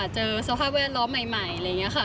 เจอสภาพแวดล้อมใหม่อะไรอย่างนี้ค่ะ